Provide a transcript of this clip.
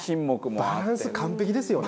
松山：バランス、完璧ですよね。